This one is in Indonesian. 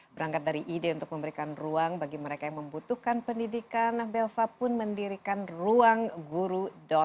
berangkat dari ide untuk memberikan ruang bagi mereka yang membutuhkan pendidikan belva pun mendirikan ruangguruan